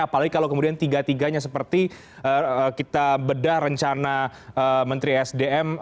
apalagi kalau kemudian tiga tiganya seperti kita bedah rencana menteri sdm